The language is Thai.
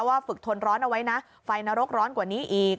ฝึกทนร้อนเอาไว้นะไฟนรกร้อนกว่านี้อีก